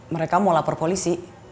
mereka mau lapar polisi